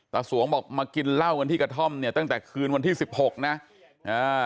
สวงบอกมากินเหล้ากันที่กระท่อมเนี่ยตั้งแต่คืนวันที่สิบหกนะอ่า